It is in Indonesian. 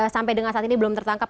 sampai dengan saat ini belum tertangkap